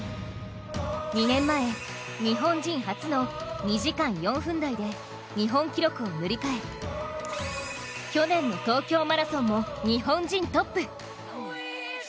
２年前、日本人初の２時間４分台で日本記録を塗り替え去年の東京マラソンも日本人トップ。